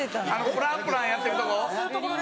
ブランブランやってるとこ。